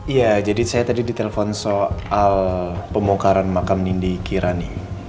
iya jadi saya tadi di telepon soal pemukaran makam nindi kirani